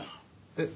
えっ？